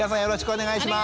お願いします！